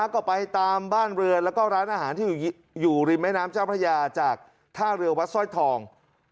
ก็ไปตามบ้านเรือแล้วก็ร้านอาหารที่อยู่ริมแม่น้ำเจ้าพระยาจากท่าเรือวัดสร้อยทอง